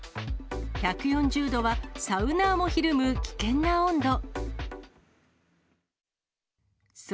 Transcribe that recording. １４０度はサウナーもひるむ危険な温度。